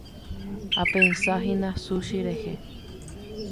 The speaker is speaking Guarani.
Apensahína sushi rehe.